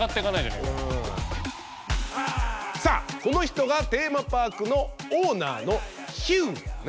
さあこの人がテーマパークのオーナーの「ヒュー」ね。